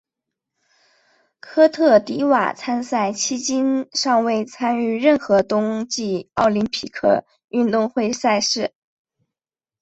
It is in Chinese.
科特迪瓦参赛迄今尚未参与任何冬季奥林匹克运动会赛事。